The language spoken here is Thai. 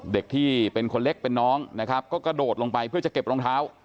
เด็กที่เป็นคนเล็กเป็นน้องนะครับก็กระโดดลงไปเพื่อจะเก็บรองเท้า